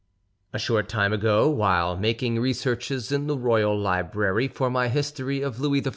A short time ago, while making researches in the Royal Library for my History of Louis XIV.